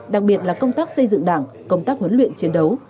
đặc biệt là công tác xây dựng đảng công tác huấn luyện chiến đấu